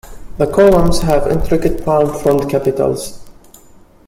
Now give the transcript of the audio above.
The columns have intricate palm frond capitals.